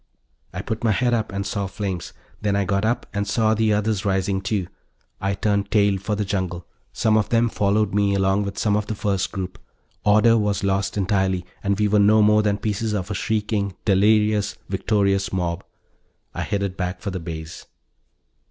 I put my head up and saw flames. Then I got up and saw the others rising, too. I turned tail for the jungle. Some of them followed me, along with some of the first group; order was lost entirely and we were no more than pieces of a shrieking, delirious, victorious mob. I headed back for the base.